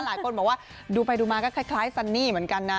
หลายคนบอกว่าดูไปดูมาก็คล้ายซันนี่เหมือนกันนะ